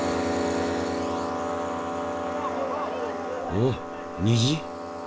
おっ虹？